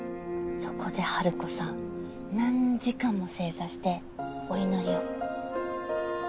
そこでハルコさん何時間も正座してお祈りを。